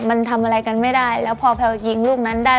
มันทำอะไรกันไม่ได้แล้วพอแพลวยิงลูกนั้นได้